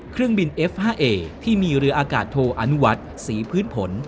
เครื่องบินเอฟห้าเอที่มีเรืออากาศโทอนุวัฒน์ศรีพื้นผล